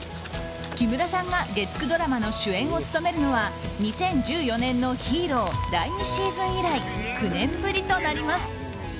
木村さんが月９ドラマの主演を務めるのは２０１４年の「ＨＥＲＯ」第２シーズン以来９年ぶりとなります。